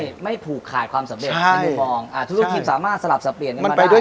มันจะได้ไม่ผูกขาดความสำเร็จทุกที่สามารถสลับสะเปลี่ยนกันมาได้